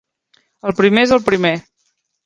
El primer és el primer.